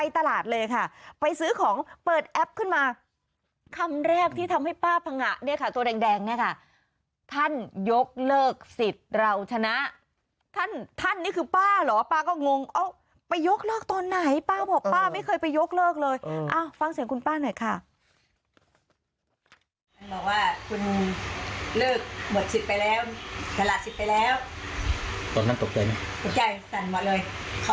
ท่านยกเลิกสิทธิ์เราชนะท่านนี่คือป้าหรอป้าก็งงไปยกเลิกตอนไหนป้าบอกป้าไม่เคยไปยกเลิกเลยฟังเสียงคุณป้าหน่อยค่ะ